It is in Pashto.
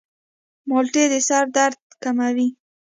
مالټې د سر درد کموي.